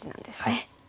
はい。